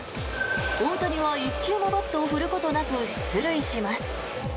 大谷は１球もバットを振ることなく出塁します。